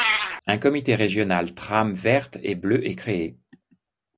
Un comité régional Trame verte et bleue est créé.